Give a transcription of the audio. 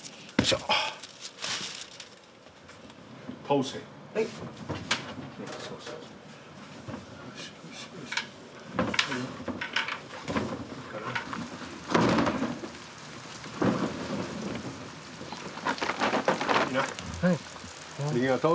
ありがとう。